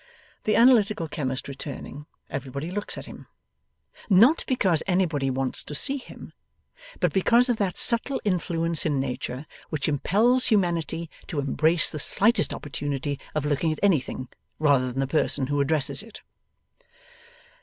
The Analytical Chemist returning, everybody looks at him. Not because anybody wants to see him, but because of that subtle influence in nature which impels humanity to embrace the slightest opportunity of looking at anything, rather than the person who addresses it.